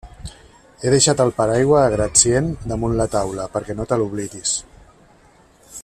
He deixat el paraigua a gratcient damunt la taula perquè no te l'oblidis.